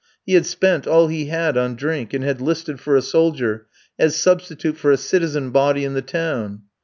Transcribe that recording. He had spent all he had on drink, and had 'listed for a soldier, as substitute for a citizen body in the town.